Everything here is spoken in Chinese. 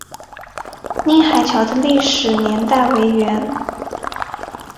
宁海桥的历史年代为元。